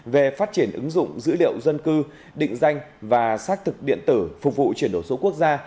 về phát triển ứng dụng dữ liệu dân cư định danh và xác thực điện tử phục vụ chuyển đổi số quốc gia